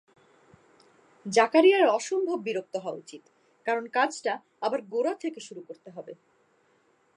জাকারিয়ার অসম্ভব বিরক্ত হওয়া উচিত, কারণ কাজটা আবার গোড়া থেকে শুরু করতে হবে।